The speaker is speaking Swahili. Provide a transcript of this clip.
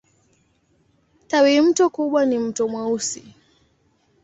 Tawimto kubwa ni Mto Mweusi.